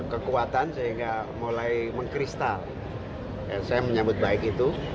kekuasaan sehingga mulai mengkristal saya menyebut baik itu